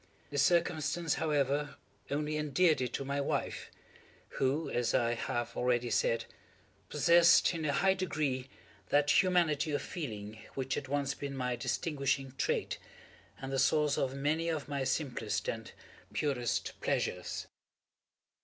This circumstance, however, only endeared it to my wife, who, as I have already said, possessed, in a high degree, that humanity of feeling which had once been my distinguishing trait, and the source of many of my simplest and purest pleasures.